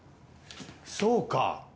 そうか！